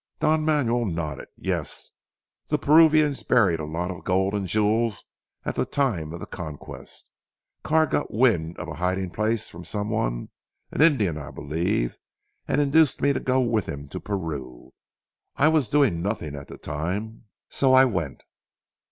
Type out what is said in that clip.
Don Manuel nodded "Yes! The Peruvians buried a lot of gold and jewels, at the time of the Conquest. Carr got wind of a hiding place from some one an Indian I believe, and induced me to go with him to Peru. I was doing nothing at the time, so I went."